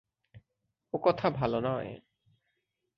ও কথা ভালো নয়।